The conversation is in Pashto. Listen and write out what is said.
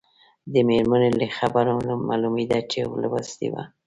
د مېرمنې له خبرو معلومېده چې لوستې وه.